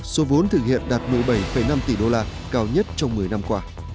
số vốn thực hiện đạt mỗi bảy năm tỷ đô la cao nhất trong một mươi năm qua